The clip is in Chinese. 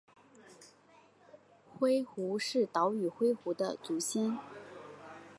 灰狐是岛屿灰狐的祖先。